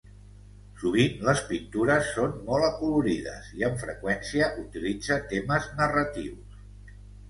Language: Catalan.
Sovint les pintures són molt acolorides i amb freqüència utilitza temes narratius.